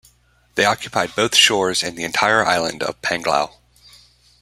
They occupied both shores and the entire island of Panglao.